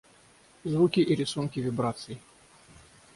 Звуки и рисунки вибраций